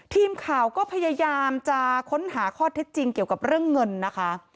ทีมข่าวก็พยายามจะค้นหาข้อเท็จจริงเกี่ยวกับเรื่องเงินนะคะ